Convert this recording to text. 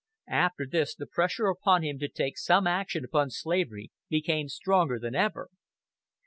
After this the pressure upon him to take some action upon slavery became stronger than ever.